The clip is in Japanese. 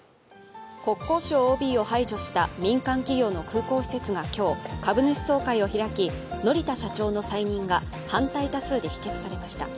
国交省ＯＢを排除した民間企業の空港施設が今日、株主総会を開き、乗田社長の再任が反対多数で否決されました。